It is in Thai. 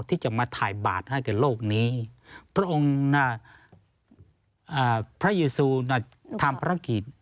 ที่จะมาถ่ายบาทให้กับโลกนี้พระองค์พระยูซูทำภารกิจ